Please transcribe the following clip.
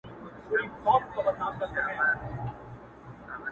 • قاضي و ویل حاضر کئ دا نا اهله..